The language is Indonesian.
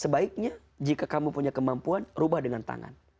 sebaiknya jika kamu punya kemampuan rubah dengan tangan